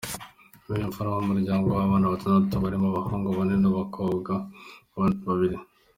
Ni imfura mu muryango w’abana batandatu barimo abahungu bane n’abakobwa babiri.